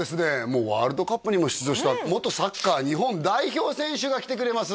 もうワールドカップにも出場した元サッカー日本代表選手が来てくれます